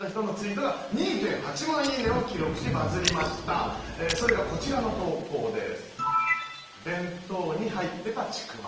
続いてはそれがこちらの投稿です。